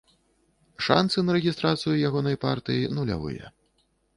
Шанцы на рэгістрацыю ягонай партыі нулявыя.